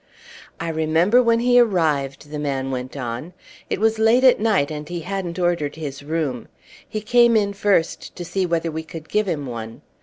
"I remember when he arrived," the man went on. "It was late at night, and he hadn't ordered his room. He came in first to see whether we could give him one.